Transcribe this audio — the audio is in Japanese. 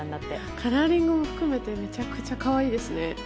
カラーリングも含めてめちゃくちゃ可愛いですね。